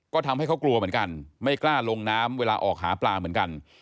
ก็ทำให้เขากลัวเหมือนกันไม่กล้าลงน้ำเวลาออกหาปลาเหมือนกัน